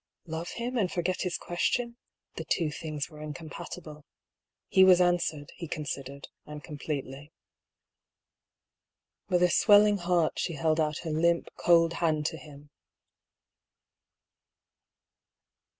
(Love him, and forget his question ? The two things were incom patible. He was answered, he considered, and com pletely.) With a swelling heart she held out her limp, cold hand to him.